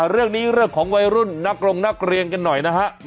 เรื่องนี้เรื่องในวัยรุ่นนักรงนักเรียนกันหน่อย